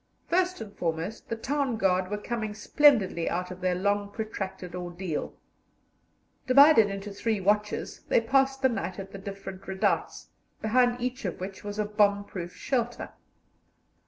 First and foremost, the town guard were coming splendidly out of their long protracted ordeal. Divided into three watches, they passed the night at the different redoubts, behind each of which was a bomb proof shelter.